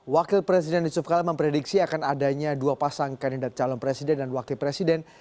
wakil presiden yusuf kala memprediksi akan adanya dua pasang kandidat calon presiden dan wakil presiden